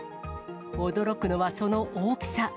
驚くのはその大きさ。